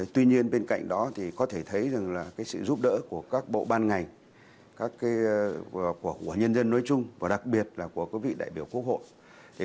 tuy nhiên bên cạnh đó thì có thể thấy rằng là sự giúp đỡ của các bộ ban ngành của nhân dân nói chung và đặc biệt là của các vị đại biểu quốc hội